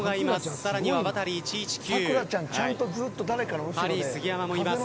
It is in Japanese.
更にはワタリ１１９ハリー杉山もいます。